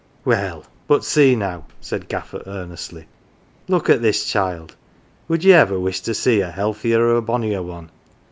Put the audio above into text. " Well, but see now," said Gaffer earnestly. " Look at this child ; would ye ever wish to see a healthier or a bonnier one